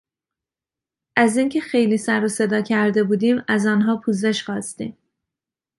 از اینکه خیلی سرو صدا کرده بودیم از آنها پوزش خواستیم.